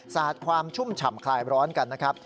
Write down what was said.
สาดความชุ่มฉ่ำคลายร้อนกันนะครับ